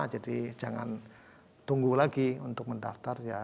jadi jangan tunggu lagi untuk mendaftar ya